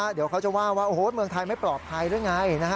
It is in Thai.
เดี๋ยวเขาจะว่าว่าเมืองไทยไม่ปลอดภัยด้วยไง